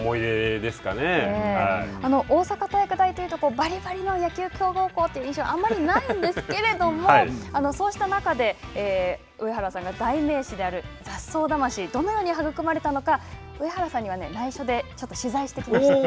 大阪体育大というと、ばりばりの野球強豪校という印象は、あまりないんですけれども、そうした中で、上原さんが代名詞である雑草魂、どのように育まれたのか、上原さんには内緒で、ちょっと取材してきました。